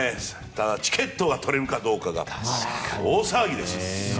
ただ、チケットが取れるかどうかが大騒ぎですよ。